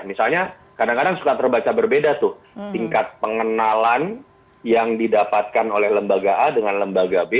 misalnya kadang kadang suka terbaca berbeda tuh tingkat pengenalan yang didapatkan oleh lembaga a dengan lembaga b